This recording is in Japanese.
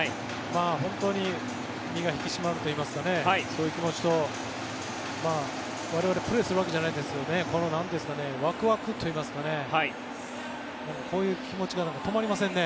本当に身が引き締まるといいますかそういう気持ちと、我々プレーするわけじゃないですがワクワクといいますかそういう気持ちが止まりませんね。